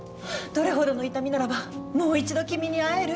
どれほどの痛みならばもう一度君に会える？